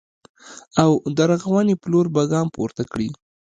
او د رغونې په لور به ګام پورته کړي